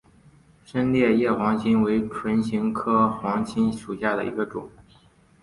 深裂叶黄芩为唇形科黄芩属下的一个种。